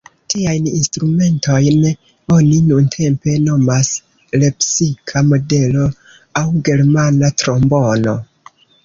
Tiajn instrumentojn oni nuntempe nomas "lepsika modelo" aŭ "germana trombono".